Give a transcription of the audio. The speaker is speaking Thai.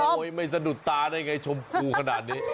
โอ้ยไม่สนุดตาได้ไงชมพูขนาดนี้